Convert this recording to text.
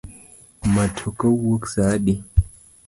Matoka wuok sa adi?